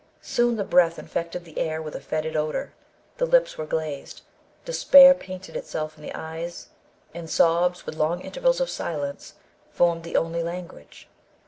Soon the breath infected the air with a fetid odour, the lips were glazed, despair painted itself in the eyes, and sobs, with long intervals of silence, formed the only language.